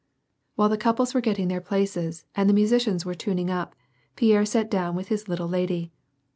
While the couples were getting their places, and the musi cians were tuning up, Pierre sat down with his little lady.